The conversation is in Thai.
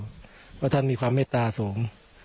เพราะท่านมีความเมตตาสูง